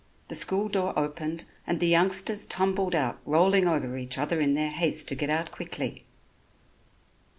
The school door opened and the youngsters tumbled out rolling over each other in their haste to get out quickly.